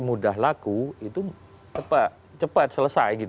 mudah laku itu cepat selesai